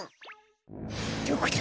どこだ？